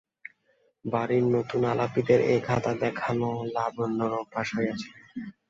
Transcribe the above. বাড়ির নূতন-আলাপীদের এই খাতা দেখানো লাবণ্যর অভ্যাস হইয়াছিল।